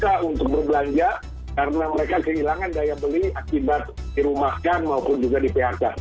terpaksa untuk berbelanja karena mereka kehilangan daya beli akibat dirumahkan maupun juga di phk